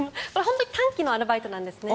短期のアルバイトなんですね。